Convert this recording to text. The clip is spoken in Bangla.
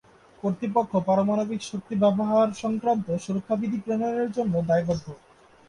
কর্তৃপক্ষ পারমাণবিক শক্তি ব্যবহার সংক্রান্ত সুরক্ষা বিধি প্রণয়নের জন্য দায়বদ্ধ।